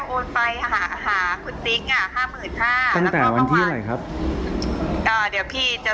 คุณอ่ะห้าหมื่นห้าตั้งแต่วันที่อะไรครับอ่าเดี๋ยวพี่จะ